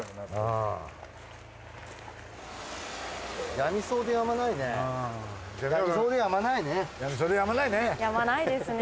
やみそうでやまないね。